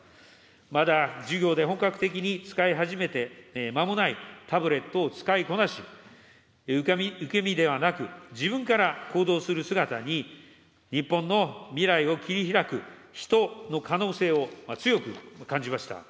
まだ、授業で本格的に使い始めて間もないタブレットを使いこなし、受け身ではなく、自分から行動する姿に日本の未来を切りひらく、人の可能性を強く感じました。